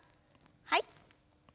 はい。